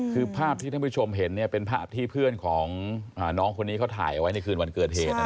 คือภาพที่ท่านผู้ชมเห็นเป็นภาพที่เพื่อนของน้องคนนี้เขาถ่ายเอาไว้ในคืนวันเกิดเหตุ